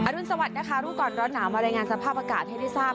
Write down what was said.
รุนสวัสดินะคะรู้ก่อนร้อนหนาวมารายงานสภาพอากาศให้ได้ทราบ